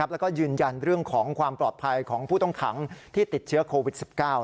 แล้วก็ยืนยันเรื่องของความปลอดภัยของผู้ต้องขังที่ติดเชื้อโควิด๑๙